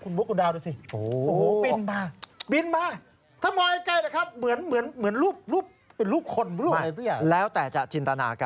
มุกกุดาวดิสิ